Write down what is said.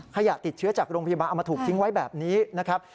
ขยะติดเชื้อจากโรงพยาบาลเอามาถูกทิ้งไว้แบบนี้นะครับ